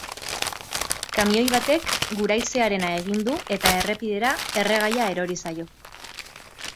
Kamioi batek guraizearena egin du eta errepidera erregaia erori zaio.